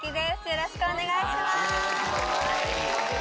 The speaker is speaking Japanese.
よろしくお願いします。